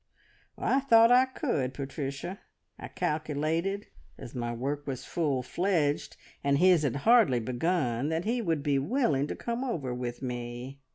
"I thought I could, Patricia. I calculated, as my work was full fledged, and his had hardly begun, that he would be willing to come over with me.